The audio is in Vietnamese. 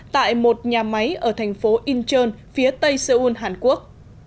tại một nhà máy ở thành phố incheon phía tây seoul hàn quốc